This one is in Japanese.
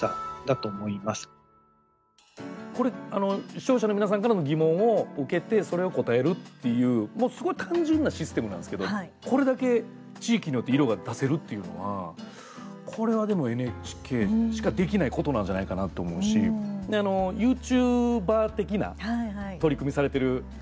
視聴者の皆さんからの疑問を受けてそれを応えるっていう、すごい単純なシステムなんですけどこれだけ地域によって色が出せるというのはＮＨＫしかできないことなんじゃないかなと思うしＹｏｕＴｕｂｅｒ的な取り組みされてる。